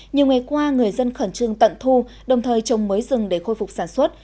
nhiều ngày qua người dân khẩn trương tận thu đồng thời trồng mới rừng để khôi phục sản xuất